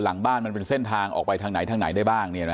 หลังบ้านมันเป็นเส้นทางออกไปทางไหนทางไหนได้บ้าง